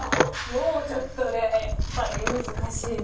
もうちょっとねやっぱり難しいな。